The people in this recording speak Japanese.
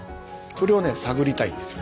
それをね探りたいんですよ。